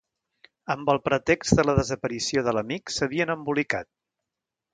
Amb el pretext de la desaparició de l'amic, s'havien embolicat.